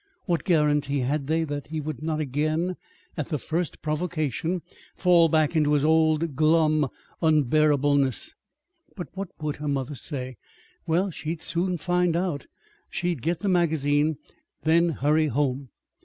What guaranty had they that he would not again, at the first provocation, fall back into his old glum unbearableness? But what would her mother say? Well, she would soon know. She would get the magazine, then hurry home and find out.